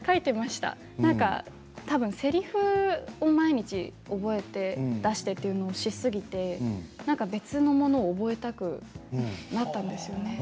たぶん、せりふを毎日覚えて出してというのをしすぎて別のものを覚えたくなったんですよね。